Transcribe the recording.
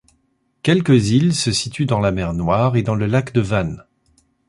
Quelques îles se situent dans la mer Noire et dans le lac de Van.